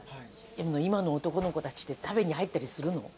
今の男の子たちって食べに入ったりするの？